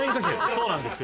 「そうなんですよ」